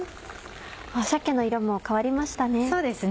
鮭の色も変わりましたね。